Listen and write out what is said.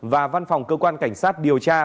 và văn phòng cơ quan cảnh sát điều tra